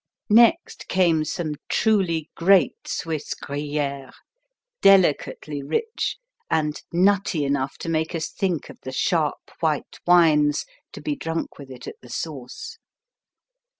Next came some truly great Swiss Gruyère, delicately rich, and nutty enough to make us think of the sharp white wines to be drunk with it at the source.